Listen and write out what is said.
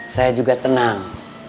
saya juga tenang